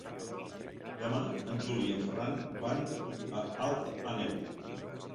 Demà en Juli i en Ferran van a Alt Àneu.